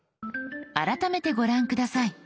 改めてご覧下さい。